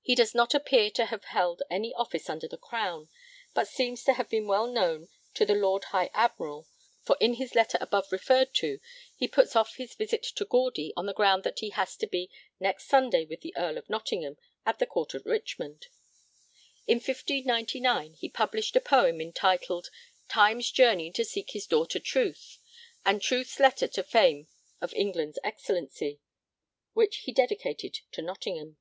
He does not appear to have held any office under the Crown, but seems to have been well known to the Lord High Admiral, for in his letter above referred to be puts off his visit to Gawdy on the ground that he has to be 'next Sunday with the Earl of Nottingham at the Court at Richmond.' In 1599 he published a poem entitled 'Time's Journey to seeke his Daughter Truth; and Truth's Letter to Fame of England's Excellencie,' which he dedicated to Nottingham.